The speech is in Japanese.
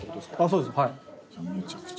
そうです。